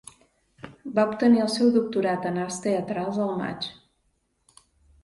Va obtenir el seu doctorat en arts teatrals al maig.